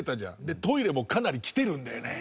でトイレもかなりきてるんだよね。